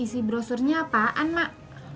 isi brosurnya apaan mak